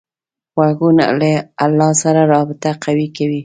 غوږونه له الله سره رابطه قوي کوي